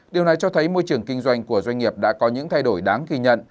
điều này cho thấy môi trường kinh doanh của doanh nghiệp đã có những thay đổi đáng ghi nhận